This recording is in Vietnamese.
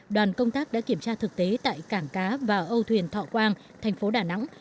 đoàn công tác đã kiểm tra thực tế tại cảng cá và âu thuyền thọ quang thành phố đà nẵng